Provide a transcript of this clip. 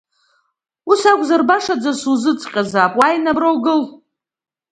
Ус акәзар, башаӡа суҵаҟьазаап, уааины абра угыл!